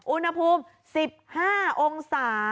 อุณหภูมิ๑๕องศา